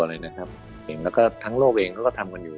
แล้วก็ทั้งโลกเองเขาก็ทำกันอยู่